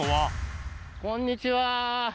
あっこんにちは。